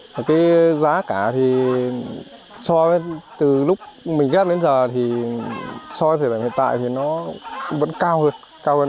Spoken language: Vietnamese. cái giá cả thì so với từ lúc mình ghép đến giờ thì so với thời gian hiện tại thì nó vẫn cao hơn